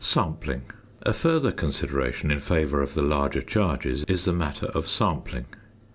~Sampling.~ A further consideration in favour of the larger charges is the matter of sampling.